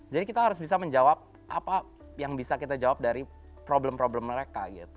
jadi kita harus bisa menjawab apa yang bisa kita jawab dari problem problem mereka